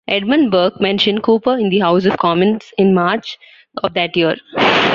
Edmund Burke mentioned Cooper in the House of Commons in March of that year.